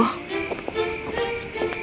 aku ingin kau bertemu seseorang